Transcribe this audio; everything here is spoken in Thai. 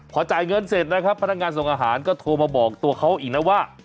พอจ่ายเงินเสร็จนะครับพนักงานส่งอาหารก็โทรมาบอกตัวเขาอีกนะว่า